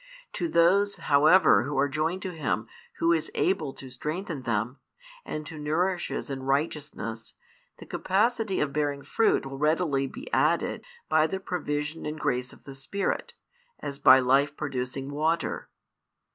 To those, however, who are joined to Him Who is able to strengthen them, and Who nourishes in righteousness, the capacity of bearing fruit will readily be added by the provision and grace of the Spirit, as by life producing water.